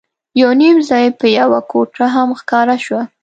یو نیم ځای به یوه کوټه هم ښکاره شوه.